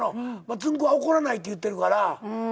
つんく♂は怒らないって言ってるから。